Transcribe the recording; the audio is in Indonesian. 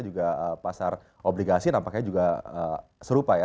juga pasar obligasi nampaknya juga serupa ya